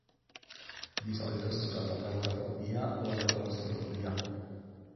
Di solito è associata all'agorafobia o alla claustrofobia.